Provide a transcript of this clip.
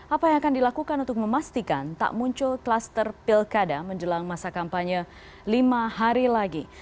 apa yang akan dilakukan untuk memastikan tak muncul klaster pilkada menjelang masa kampanye lima hari lagi